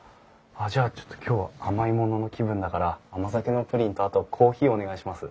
あっじゃあちょっと今日は甘いものの気分だから甘酒のプリンとあとコーヒーお願いします。